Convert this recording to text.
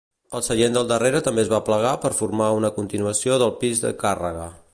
El seient del darrere també es va plegar per formar una continuació del pis de càrrega.